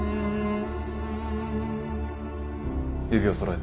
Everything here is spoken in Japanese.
指をそろえて。